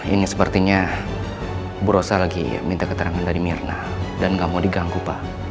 ini sepertinya bu rosa lagi minta keterangan dari mirna dan gak mau diganggu pak